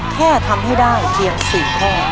แค่ทำให้ได้เพียง๔ข้อ